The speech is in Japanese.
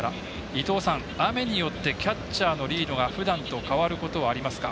伊東さん、雨によってキャッチャーのリードがふだんと変わることはありますか。